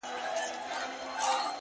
له هغې ورځې يې ښه نه دې ليدلي’